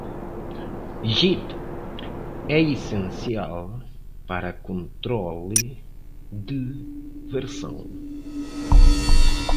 Git é essencial para controle de versão.